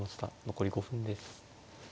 残り５分です。